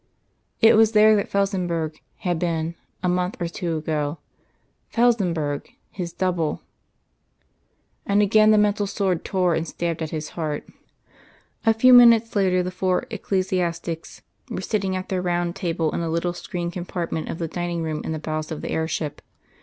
It was there that Felsenburgh had been, a month or two ago Felsenburgh, his double! And again the mental sword tore and stabbed at his heart. A few minutes later, the four ecclesiastics were sitting at their round table in a little screened compartment of the dining room in the bows of the air ship.